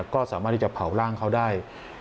ก็สามารถที่จะเผาร่างเขาได้